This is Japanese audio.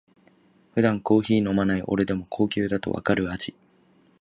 普段コーヒー飲まない俺でも高級だとわかる味